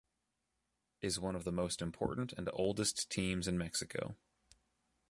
Is one of the most important and oldest teams in Mexico.